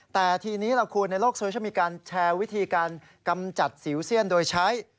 แต่ทีนี้ล่ะคุณในโลกโซเชียลมีการแชร์วิธีการกำจัดสิวเซียนโดยใช้